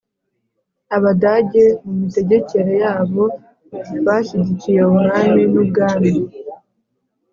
Abadage, mu mitegekere yabo, bashyigikiye umwami n'ubwami